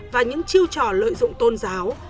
và những chiêu trò lợi dụng tôn giáo